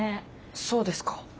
そうですか。